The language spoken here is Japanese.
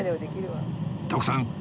徳さん